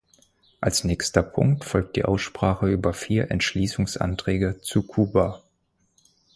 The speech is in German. Als nächster Punkt folgt die Aussprache über vier Entschließungsanträge zu Kuba.